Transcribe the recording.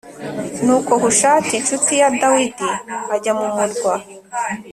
Nuko hushayi incuti ya dawidi ajya mu murwa